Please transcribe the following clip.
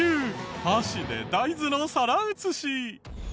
箸で大豆の皿移し。